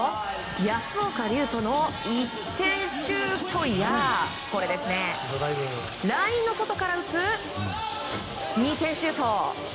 保岡龍斗の１点シュートやラインの外から打つ２点シュート。